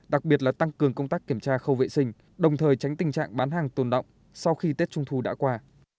đặc biệt là tăng cường công tác kiểm tra khâu vệ sinh đồng thời tránh tình trạng bán hàng tồn động sau khi tết trung thu đã qua